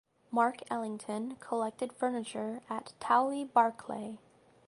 Marc Ellington collected furniture at Towie Barclay.